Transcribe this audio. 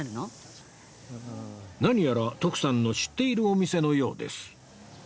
何やら徳さんの知っているお店のようです